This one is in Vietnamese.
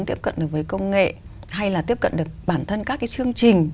tiếp cận được với công nghệ hay là tiếp cận được bản thân các cái chương trình